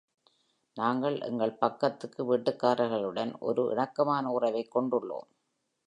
நாங்கள், எங்கள் பக்கத்துக்கு வீட்டுக்காரர்களுடன், ஒரு இணக்கமான உறவைக் கொண்டுள்ளோம்.